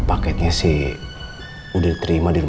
aku mau ikut sama dia